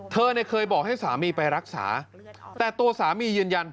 เธอเนี่ยเคยบอกให้สามีไปรักษาแต่ตัวสามียืนยัน